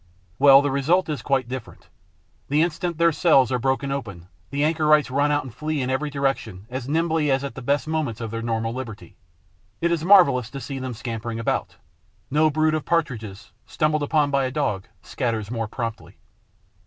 Well, the result is quite different. The instant their cells are broken open, the anchorites run out and flee in every direction as nimbly as at the best moments of their normal liberty. It is marvellous to see them scampering about. No brood of Partridges, stumbled upon by a Dog, scatters more promptly.